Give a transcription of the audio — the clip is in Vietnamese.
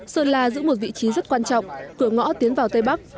sơn la giữ một vị trí rất quan trọng cửa ngõ tiến vào tây bắc